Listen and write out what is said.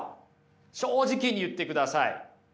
正直に言ってください